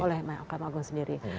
oleh hakim agung sendiri